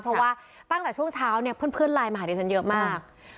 เพราะว่าตั้งแต่ช่วงเช้าเนี่ยเพื่อนไลน์มาหาดิฉันเยอะมาก